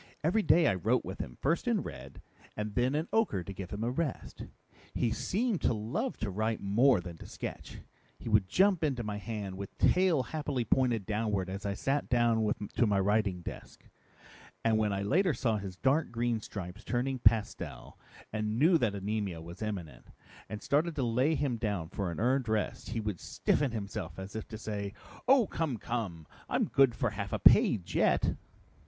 Every day I wrote with him, first in red, and then in ochre to give him a rest. He seemed to love to write more than to sketch. He would jump into my hand with tail happily pointed downward as I sat down to my writing desk. And when I later saw his dark green stripes turning pastel and knew that anemia was imminent, and started to lay him down for a earned rest, he would stiffen himself as if to say, 'Oh, come, come! I'm good for half a page yet!'"